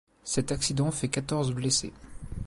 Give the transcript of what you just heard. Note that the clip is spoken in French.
Cet accident fait quatorze blessés.